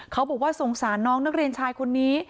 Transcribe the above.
เขาบอกว่าสงสารน้องนักเรียนชายคนนี้